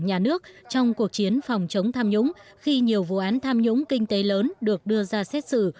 nhà nước trong cuộc chiến phòng chống tham nhũng khi nhiều vụ án tham nhũng kinh tế lớn được đưa ra xét xử